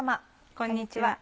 こんにちは。